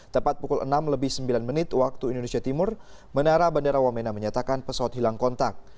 tepat pukul enam lebih sembilan menit waktu indonesia timur menara bandara wamena menyatakan pesawat hilang kontak